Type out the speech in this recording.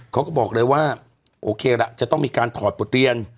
เขาก็บอกเลยว่าโอเคละจะต้องมีการถอดบทเรียน